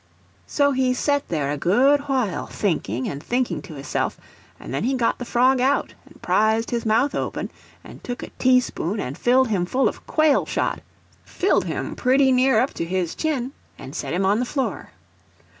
So he set there a good while thinking and thinking to hisself, and then he got the frog out and prized his mouth open and took a teaspoon and filled him full of quail shot—filled! him pretty near up to his chin—and set him on the floor.